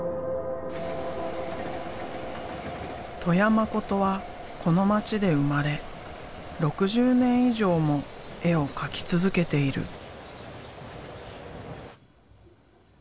戸谷誠はこの街で生まれ６０年以上も絵を描き続けている。